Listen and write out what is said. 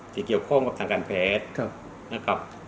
ที่เกี่ยวข้องกับทางการแพทย์